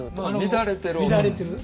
乱れてる。